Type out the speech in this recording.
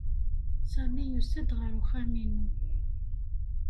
Sami yusa-d ɣer uxxam-inu.